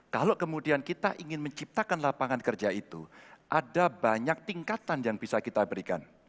kalau kemudian kita ingin menciptakan lapangan kerja itu ada banyak tingkatan yang bisa kita berikan